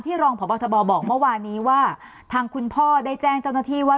รองพบทบบอกเมื่อวานี้ว่าทางคุณพ่อได้แจ้งเจ้าหน้าที่ว่า